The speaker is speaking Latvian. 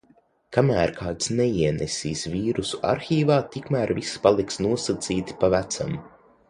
Kamēr kāds "neienesīs" vīrusu arhīvā, tikmēr viss paliks nosacīti pa vecam.